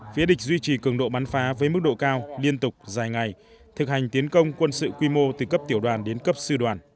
phía địch duy trì cường độ bắn phá với mức độ cao liên tục dài ngày thực hành tiến công quân sự quy mô từ cấp tiểu đoàn đến cấp sư đoàn